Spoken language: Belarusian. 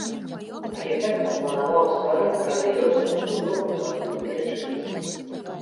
Архітэктар планаваў стварыць грандыёзную пабудову на тры тысячы месцаў.